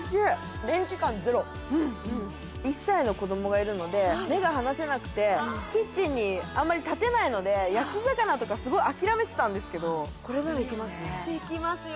１歳の子どもがいるので目が離せなくてキッチンにあんまり立てないので焼き魚とか諦めてたんですけどこれならいけますねできますよ